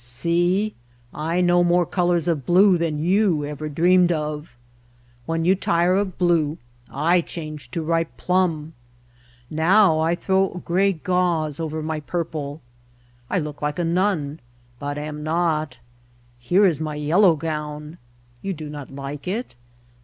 "See, I know more colors of blue than you ever dreamed of. When you tire of blue I change to ripe plums. Now I throw gray gauze over my purple. I look like a nun, but am not. Here is my yellow gown. You do not like it?